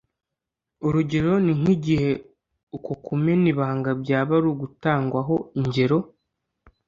urugero ni nk’igihe uko kumena ibanga byaba ari gutangwaho ingero